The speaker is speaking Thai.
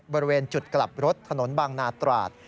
บริเวณจุดกลับรถถนนบางนาตราด